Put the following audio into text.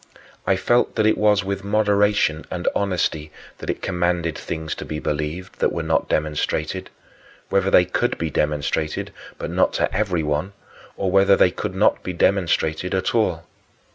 I felt that it was with moderation and honesty that it commanded things to be believed that were not demonstrated whether they could be demonstrated, but not to everyone, or whether they could not be demonstrated at all.